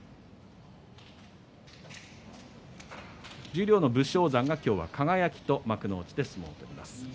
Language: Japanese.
十両の武将山が今日は輝と幕内で相撲を取ります。